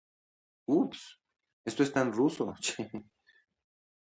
Напечатано по приказанию г. Министра Внутренних Дел.